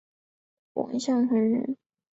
王象恒人。